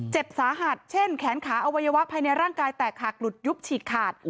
เจ็บสาหัสเช่นแขนขาอวัยวะภายในร่างกายแตกหักหลุดยุบฉีกขาด